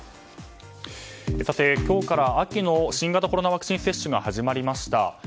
今日から秋の新型コロナワクチン接種が始まりました。